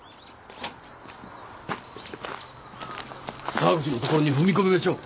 沢口の所に踏み込みましょう。